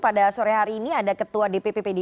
pada sore hari ini ada ketua dpp pdip